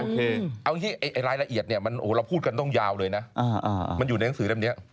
เอาอย่างนี้รายละเอียดเนี่ยเราพูดกันต้องยาวเลยนะมันอยู่ในหนังสือแบบนี้